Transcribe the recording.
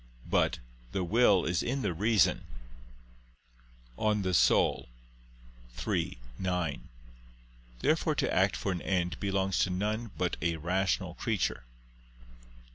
But "the will is in the reason" (De Anima iii, 9). Therefore to act for an end belongs to none but a rational nature.